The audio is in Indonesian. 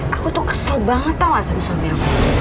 aku tuh kesel banget tau gak sama suami aku